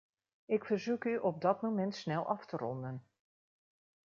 Ik verzoek u op dat moment snel af te ronden.